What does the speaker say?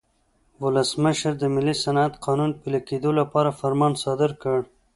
ولسمشر د ملي صنعت قانون پلي کېدو لپاره فرمان صادر کړ.